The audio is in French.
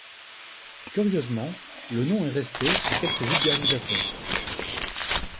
Curieusement, le nom est resté chez quelques vulgarisateurs.